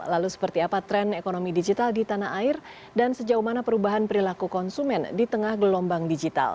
lalu seperti apa tren ekonomi digital di tanah air dan sejauh mana perubahan perilaku konsumen di tengah gelombang digital